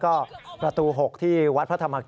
พระบุว่าจะมารับคนให้เดินทางเข้าไปในวัดพระธรรมกาลนะคะ